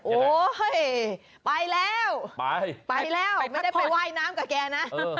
โอ้โหไปแล้วไปไปแล้วไม่ได้ไปว่ายน้ำกับแกนะ